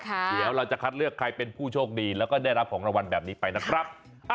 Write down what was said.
เดี๋ยวเราจะคัดเลือกใครเป็นผู้โชคดีแล้วก็ได้รับของรางวัลแบบนี้ไปนะครับ